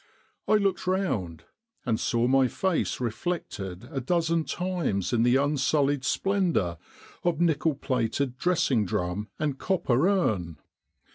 I looked round and saw my face reflected a dozen times in the unsullied splendour of nickel plated dressing drum and copper urn.